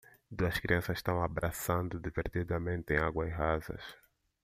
Duas crianças estão abraçando divertidamente em águas rasas.